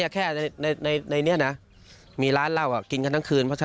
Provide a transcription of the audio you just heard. แค่ในนี้นะมีร้านเล่ากินกันทั้งคืน